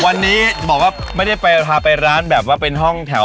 วันนี้บอกว่าไม่ได้ไปพาไปร้านแบบว่าเป็นห้องแถว